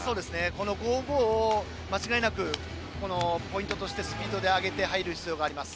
この５５を間違いなくポイントとしてスピードで上げて入る必要があります。